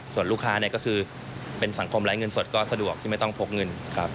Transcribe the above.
ส่วนลูกค้าเนี่ยก็คือเป็นสังคมไร้เงินสดก็สะดวกที่ไม่ต้องพกเงินครับ